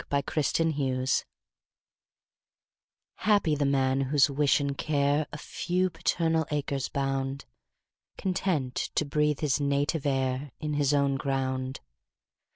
Y Z Solitude HAPPY the man, whose wish and care A few paternal acres bound, Content to breathe his native air In his own ground.